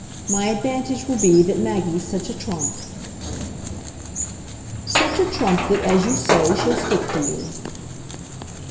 My advantage will be that Maggie's such a trump." "Such a trump that, as you say, she'll stick to you."